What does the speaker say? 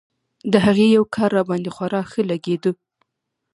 د هغې يو کار راباندې خورا ښه لګېده.